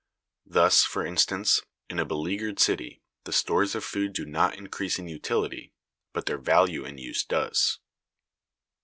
Thus, for instance, in a beleaguered city, the stores of food do not increase in utility, but their value in use does."